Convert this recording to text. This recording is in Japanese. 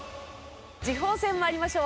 次鋒戦参りましょう。